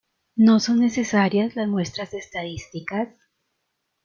No son necesarias las muestras estadísticas.